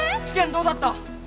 試験どうだった？